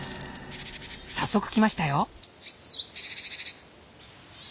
早速来ましたよ。